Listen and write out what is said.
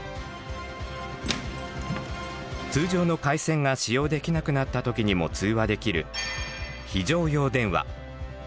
通常の回線が使用できなくなった時にも通話できる非常用電話。